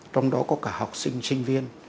trong đó có cả học sinh sinh viên